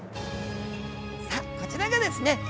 さあこちらがですね